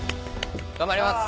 頑張ります。